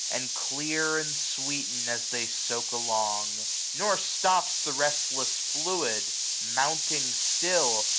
And clear and sweeten, as they soak along* Nor stops the restless fluid, mounting still.